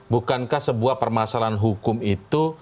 bukankah sebuah permasalahan hukum itu